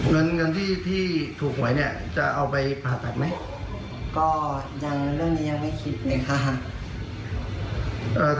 เงินเงินที่ที่ถูกหวยเนี่ยจะเอาไปผ่าตัดไหมก็ยังเรื่องนี้ยังไม่คิดนะคะ